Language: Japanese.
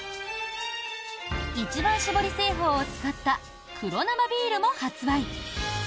一番搾り製法を使った黒生ビールも発売。